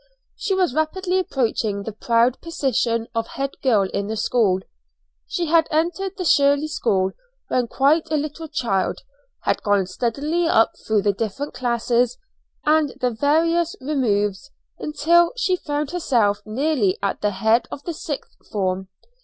She was rapidly approaching the proud position of head girl in the school. She had entered the Shirley School when quite a little child, had gone steadily up through the different classes and the various removes, until she found herself nearly at the head of the sixth form.